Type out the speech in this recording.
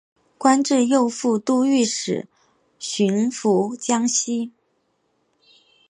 官至左副都御史巡抚江西。